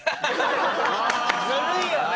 ずるいよね！